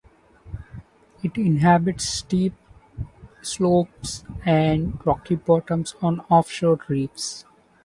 It inhabits steep slopes and rocky bottoms on offshore reefs.